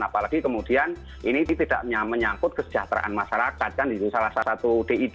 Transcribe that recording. apalagi kemudian ini tidak menyangkut kesejahteraan masyarakat kan di salah satu di